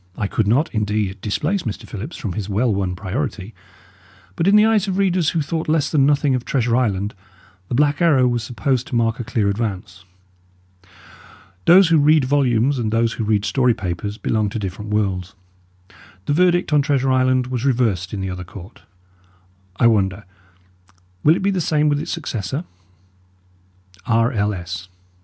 I could not, indeed, displace Mr. Phillips from his well won priority; but in the eyes of readers who thought less than nothing of Treasure Island, The Black Arrow was supposed to mark a clear advance. Those who read volumes and those who read story papers belong to different worlds. The verdict on Treasure Island was reversed in the other court; I wonder, will it be the same with its successor? _R. L. S.